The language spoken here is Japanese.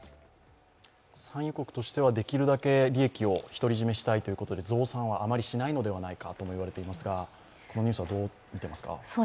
産油国としてはできるだけ利益を独り占めしたいということで増産はあまりしないのではないかとも言われていますが、このニュースはどう見ていますか？